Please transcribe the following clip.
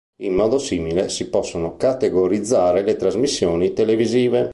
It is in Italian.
In modo simile si possono categorizzare le trasmissioni televisive.